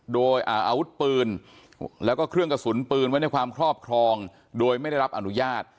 โดยอาวุธปืนแล้วก็เครื่องกระสุนปืนไว้ในความครอบครองโดยไม่ได้รับอนุญาต